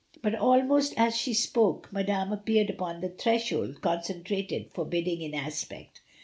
But almost as she spoke Madame appeared upon the threshold, concentrated, forbid ding in aspect.